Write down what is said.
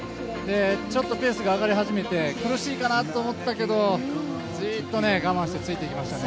ちょっとペースが上がり始めて苦しいかなと思ったけどじっと我慢してついていきましたね。